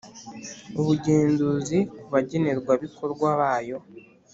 ubugenzuzi ku bagenerwabikorwa bayo